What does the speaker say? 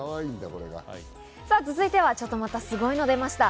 続いてはちょっとまたすごいの出ました。